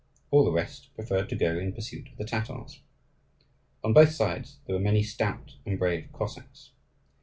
All the rest preferred to go in pursuit of the Tatars. On both sides there were many stout and brave Cossacks.